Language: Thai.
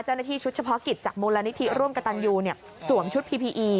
เจ้าหน้าที่ชุดเฉพาะกิจจากมูลนิธิร่วมกับตันยูสวมชุดพีพีอี